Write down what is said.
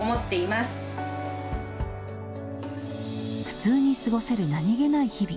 普通に過ごせる何気ない日々。